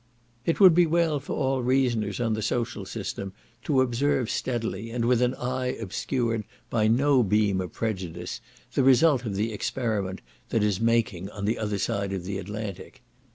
It would be well for all reasoners on the social system to observe steadily, and with an eye obscured by no beam of prejudice, the result of the experiment that is making on the other side of the Atlantic.